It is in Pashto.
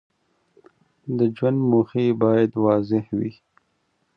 د ژوند موخې باید واضح وي.